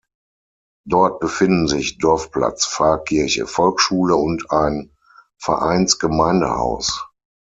Dort befinden sich Dorfplatz, Pfarrkirche, Volksschule und ein Vereins-Gemeindehaus.